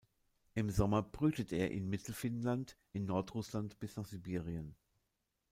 Im Sommer brütet er in Mittelfinnland, in Nordrussland bis nach Sibirien.